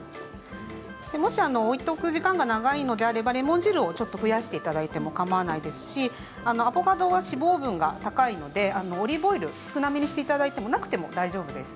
もし置いておく時間が長いのであれば、レモン汁をちょっと増やしていただいてもかまわないですしアボカドは脂肪分が高いのでオリーブオイルを少なめにしていただいてもなくても大丈夫です。